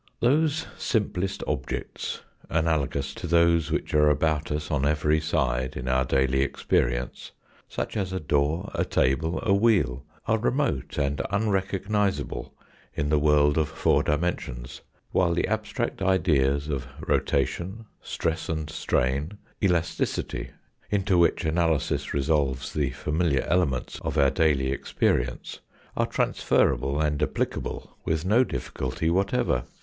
Those simplest objects analogous to those which are about us on every side in our daily experience such as a door, a table, a wheel are remote and uncognisable in the world of four dimensions, while the abstract ideas of rotation, stress and strain, elasticity into which analysis resolves the familiar elements of our daily experience are transferable and applicable with no difficulty whatever.